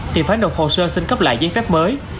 thì phải nộp hồ sơ xin cấp lại giấy phép mới